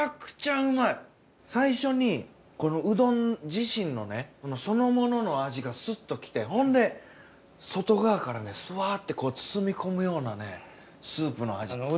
最初にこのうどん自身のねそのものの味がスッときてほんで外側からフワッて包み込むようなねスープの味。